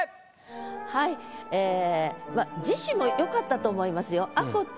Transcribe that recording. はい「次子」もよかったと思いますよ。